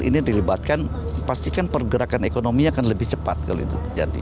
ini dilibatkan pastikan pergerakan ekonominya akan lebih cepat kalau itu terjadi